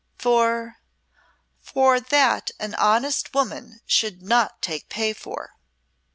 "For for that an honest woman should not take pay for."